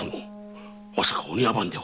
まさかお庭番では？